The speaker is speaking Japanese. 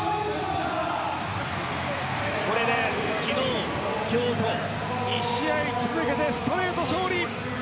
これで昨日、今日と２試合続けてストレート勝利。